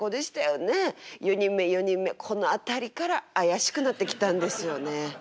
４人目この辺りから怪しくなってきたんですよね。